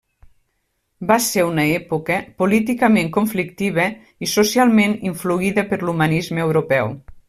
Va ser una època políticament conflictiva i socialment influïda per l'humanisme europeu.